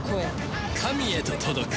神へと届く。